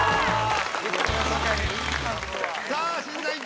さあ審査委員長